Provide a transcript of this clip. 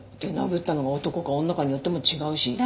殴ったのが男か女かによっても違うし。